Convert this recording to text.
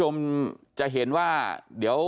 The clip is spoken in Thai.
มือเขาเนี่ย